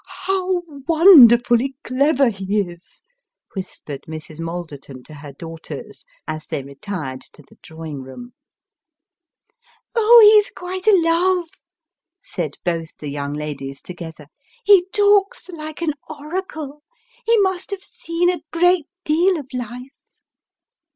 " How wonderfully clever he is 1 " whispered Mrs. Malderton to her daughters, as they retired to the drawing room. " Oh, he's quite a love !" said both the young ladies together ;" he talks like an oracle. He must have seen a great deal of life."